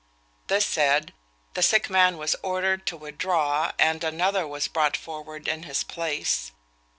This said, the sick man was ordered to withdraw, and another was brought forward in his place.